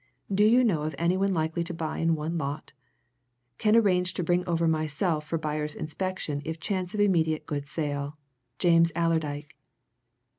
Do you know of any one likely to buy in one lot? Can arrange to bring over myself for buyers' inspection if chance of immediate good sale. James Allerdyke.'